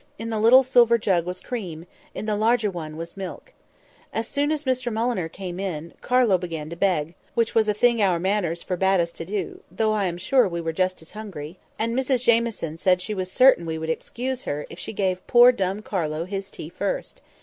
In the little silver jug was cream, in the larger one was milk. As soon as Mr Mulliner came in, Carlo began to beg, which was a thing our manners forbade us to do, though I am sure we were just as hungry; and Mrs Jamieson said she was certain we would excuse her if she gave her poor dumb Carlo his tea first.